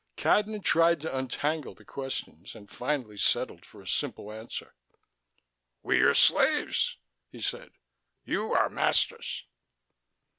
Cadnan tried to untangle the questions, and finally settled for a simple answer. "We are slaves," he said. "You are masters."